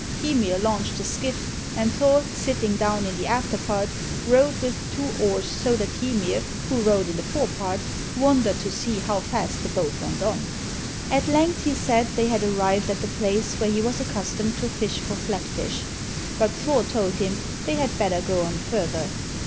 Hymir launched the skiff, and Thor, sitting down in the after part, rowed with two oars so that Hymir, who rowed in the fore part, wondered to see how fast the boat went on. At length he said they had arrived at the place where he was accustomed to fish for flat fish, but Thor told him they had better go on further.